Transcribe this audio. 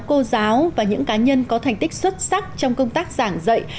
cô giáo và những cá nhân có thành tích xuất sắc trong công tác giảng dạy